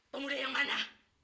pemuda yang mana